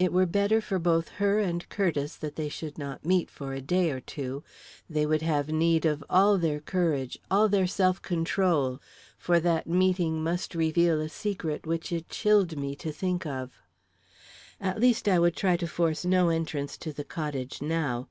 It were better for both her and Curtiss that they should not meet for a day or two; they would have need of all their courage; all their self control, for that meeting must reveal a secret which it chilled me to think of. At least, I would try to force no entrance to the cottage now.